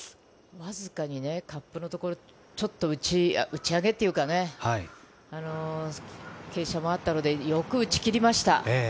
わずかにカップのところ、少し打ち上げっていうか、傾斜もあったので、よく打ち切りました。